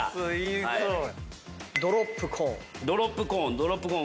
ドロップコーン。